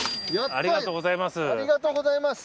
ありがとうございます。